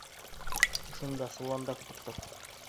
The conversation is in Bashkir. Ошонда соланда көтөп тор.